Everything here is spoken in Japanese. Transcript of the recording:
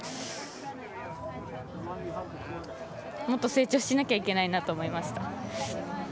もっと成長しなきゃいけないなと思いました。